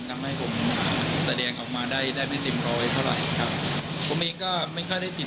ทำให้ผมแสดงออกมาได้ได้ไม่เต็มร้อยเท่าไรครับ